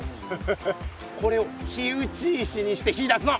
これを火打ち石にして火だすの。